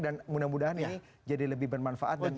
dan mudah mudahan ini jadi lebih bermanfaat